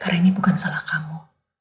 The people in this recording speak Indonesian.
karena ini bukan salah kamu